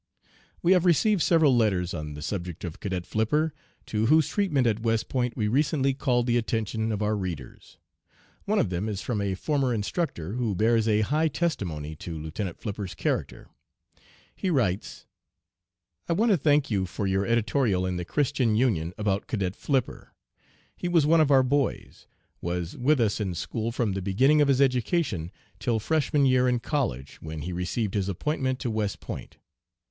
"We have received several letters on the subject of Cadet Flipper, to whose treatment at West Point we recently called the attention of our readers. One of them is from a former instructor, who bears a high testimony to Lieutenant Flipper's character. He writes: "'I want to thank you for your editorial in the Christian Union about Cadet Flipper. He was one of our boys; was with us in school from the beginning of his education till Freshman year in college, when he received his appointment to West Point.